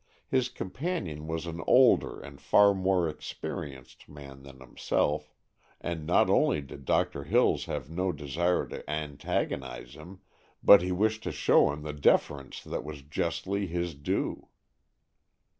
His companion was an older and far more experienced man than himself, and not only did Doctor Hills have no desire to antagonize him, but he wished to show him the deference that was justly his due.